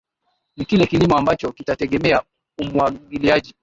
ni kile kilimo ambacho kitategemea umwagiliaji